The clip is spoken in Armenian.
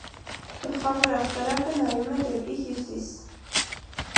Գլխավոր աշտարակը նայում է դեպի հյուսիս։